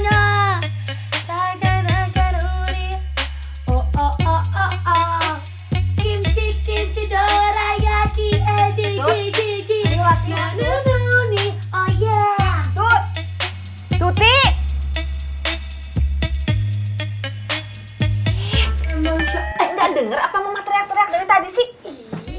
nggak denger apa apa teriak teriak dari tadi sih